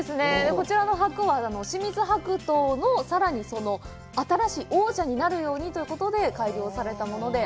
こちらの白皇は清水白桃のさらに新しい、王者になるようにということで改良されたもので。